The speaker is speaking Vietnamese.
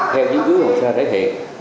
theo dịch vụ xã thể hiện